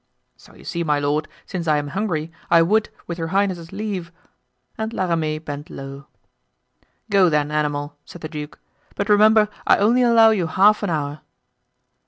So, you see, my lord, since I am hungry, I would, with your highness's leave——" And La Ramee bent low. "Go, then, animal," said the duke; "but remember, I only allow you half an hour."